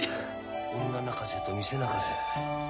女泣かせと店泣かせ。